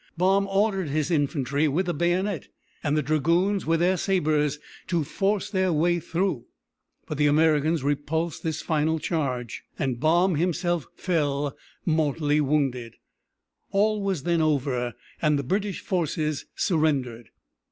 Baum ordered his infantry with the bayonet and the dragoons with their sabers to force their way through, but the Americans repulsed this final charge, and Baum himself fell mortally wounded. All was then over, and the British forces surrendered.